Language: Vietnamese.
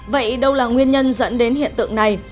vậy đâu là nguyên nhân dẫn đến hiện tượng này